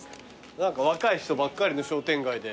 何か若い人ばっかりの商店街で。